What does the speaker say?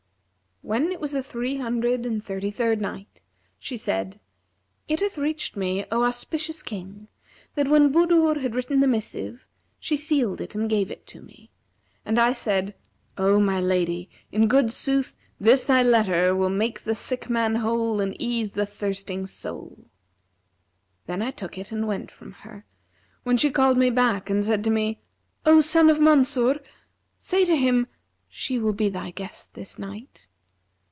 When it was the Three Hundred and Thirty third Night, She said, It hath reached me, O auspicious King, that when Budur had written the missive, she sealed it and gave it to me; and I said, 'O my lady, in good sooth this thy letter will make the sick man whole and ease the thirsting soul.' Then I took it and went from her, when she called me back and said to me, 'O son of Mansur, say to him: 'She will be thy guest this night.'